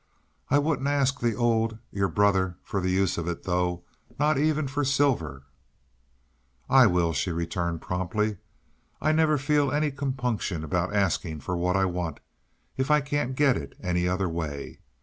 "I wouldn't ask the Old your brother, for the use of it, though; not even for Silver." "I will," returned she, promptly. "I never feel any compunction about asking for what I want if I can't get it any other way.